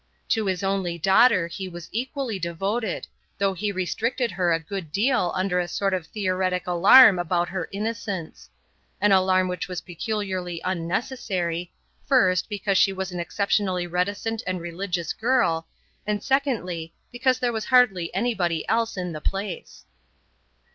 To his only daughter he was equally devoted, though he restricted her a good deal under a sort of theoretic alarm about her innocence; an alarm which was peculiarly unnecessary, first, because she was an exceptionally reticent and religious girl, and secondly, because there was hardly anybody else in the place.